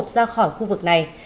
ra khỏi khu vực này